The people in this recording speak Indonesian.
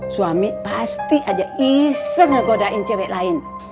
suami pasti aja iseng ngegodain cewek lain